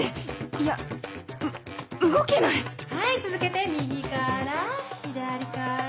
いやう動けないはい続けて右から左から。